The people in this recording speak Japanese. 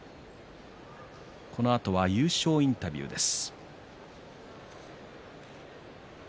このあとは優勝インタビューです。